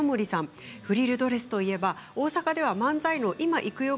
フリルドレスといえば大阪では漫才の今いくよ・